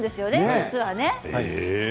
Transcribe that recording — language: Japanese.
実はね。